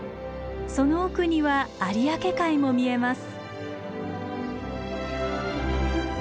その奥には有明海も見えます。